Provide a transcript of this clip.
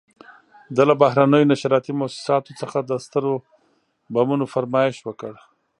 ده له بهرنیو نشراتي موسساتو څخه د سترو بمونو فرمایش وکړ.